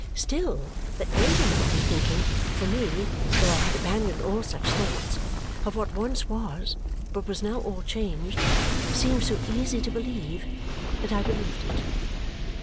Still, that Ada might be thinking for me, though I had abandoned all such thoughts of what once was, but was now all changed, seemed so easy to believe that I believed it.